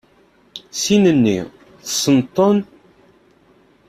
Sin-nni tessneḍ-ten?